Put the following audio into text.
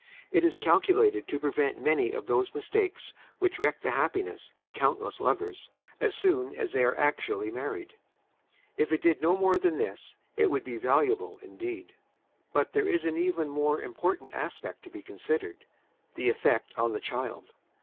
It is calculated to prevent many of those mistakes which wreck the happiness of countless lovers as soon as they are actually married. If it did no more than this it would be valuable indeed! But there is an even more important aspect to be con sidered—the effect on the child.